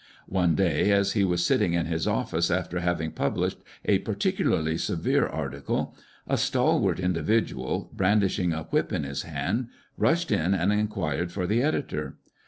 One day, as he was sitting in his office alter having published a particularly severe article, a stalwart individual, brandish ing a whip in his hand, rushed in and inquired for the editor.